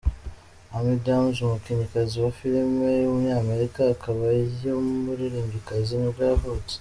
Amy Adams, umukinnyikazi wa filime w’umunyamerika, akaba n’umuririmbyikazi nibwo yavutse.